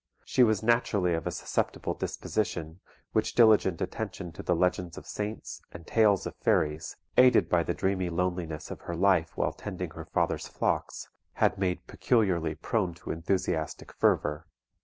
She was naturally of a susceptible disposition, which diligent attention to the legends of saints, and tales of fairies, aided by the dreamy loneliness of her life while tending her father's flocks, had made peculiarly prone to enthusiastic fervour.